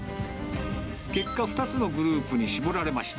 結果、２つのグループに絞られました。